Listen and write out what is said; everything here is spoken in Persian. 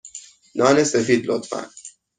نان سفید، لطفا.